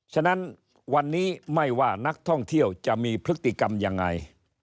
ฉะนั้นวันนี้ไม่ว่านักท่องเที่ยวจะมีพฤติกรรมยังไง